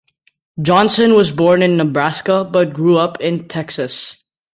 Johnson was born in Nebraska, but grew up in Texas.